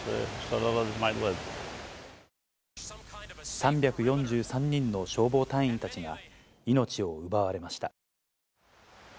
３４３人の消防隊員たちが命を奪われました。